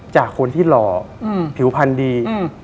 จากคนที่หล่อผิวพันธุ์ดี